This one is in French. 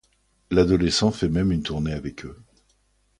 L'adolescent fait même une tournée avec eux.